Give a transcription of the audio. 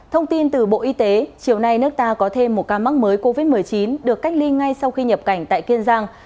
thông tin từ bộ y tế chiều nay nước ta có thêm một ca mắc mới covid một mươi chín được cách ly ngay sau khi nhập cảnh tại kiên giang